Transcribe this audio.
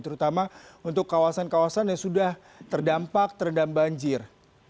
terutama untuk kawasan kawasan yang sudah terdampak terendam banjir